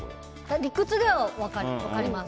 理屈では分かります。